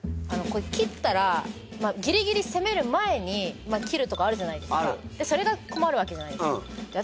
切ったらギリギリ攻める前に切るとこあるじゃないですかあるそれが困るわけじゃない私